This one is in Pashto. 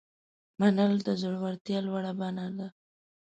منل د زړورتیا لوړه بڼه ده.